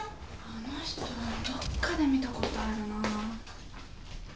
あの人どっかで見たことあるの。